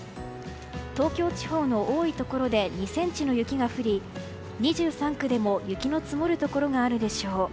東京地方の多いところで２ｃｍの雪が降り２３区でも雪の積もるところがあるでしょう。